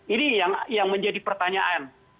ini yang menjadi pertanyaan